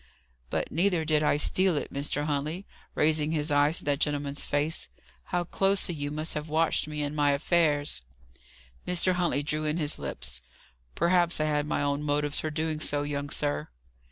"But neither did I steal it. Mr. Huntley" raising his eyes to that gentleman's face "how closely you must have watched me and my affairs!" Mr. Huntley drew in his lips. "Perhaps I had my own motives for doing so, young sir."